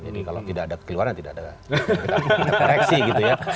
jadi kalau tidak ada kekeliruan tidak ada koreksi gitu ya